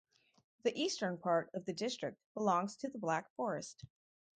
The eastern part of the district belongs to the Black Forest.